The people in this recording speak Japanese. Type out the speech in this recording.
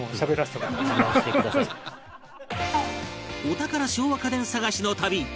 お宝昭和家電探しの旅